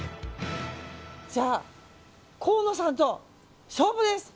じゃあ、河野さんと勝負です。